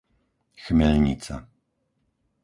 Chmeľnica